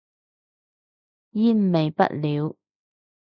煙味不了